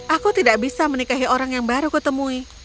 aku tidak bisa menikahi orang yang baru kutemui